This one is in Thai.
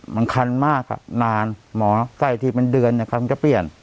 มันคันมากนานหมอใส่ทีเป็นเดือนนะครับจะเปลี่ยน